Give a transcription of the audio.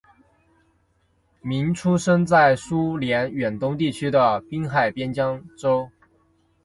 闵出生在苏联远东地区的滨海边疆州。